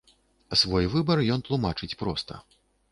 Свой выбар ён тлумачыць проста.